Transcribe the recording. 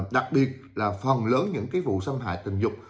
đặc biệt là phần lớn những vụ xâm hại tình dục